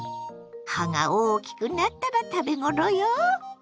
葉が大きくなったら食べ頃よ。